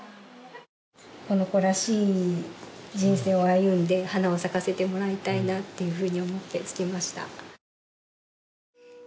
この子らしい人生を歩んで花を咲かせてもらいたいなと思ってつけました。